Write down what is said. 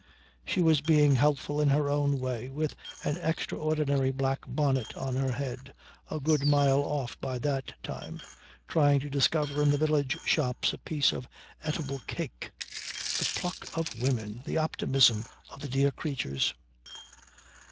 She was being helpful in her own way, with an extraordinary black bonnet on her head, a good mile off by that time, trying to discover in the village shops a piece of eatable cake. The pluck of women! The optimism of the dear creatures!